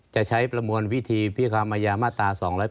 จะใช้ประมวลวิธีพิความอายามาตรา๒๗